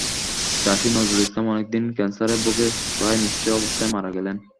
চাষী নজরুল ইসলাম অনেক দিন ক্যানসারে ভুগে প্রায় নিঃস্ব অবস্থায় মারা গেলেন।